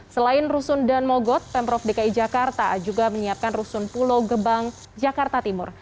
selain rusun dan mogot pemprov dki jakarta juga menyiapkan rusun pulau gebang jakarta timur